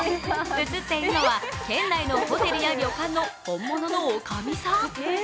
写っているのは県内のホテルや旅館の本物の女将さん。